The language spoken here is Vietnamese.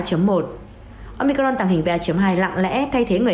ông nói omicron tàng hình ba hai cũng không dẫn tới tình trạng nhập điện nhiều hơn khi so với ba một